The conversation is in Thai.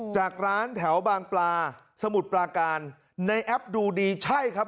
จากร้านแถวบางปลาสมุทรปลาการในแอปดูดีใช่ครับ